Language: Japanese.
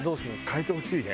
変えてほしいね。